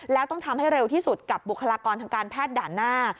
แล้วต้องทำให้เร็วที่สุดกับบุคลากรทางการแพทย์ด่านหน้า